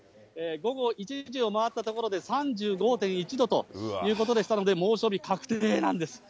午後１時を回ったところで３５．１度ということでしたので、猛暑日確定なんです。